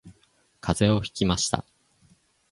風邪をひきました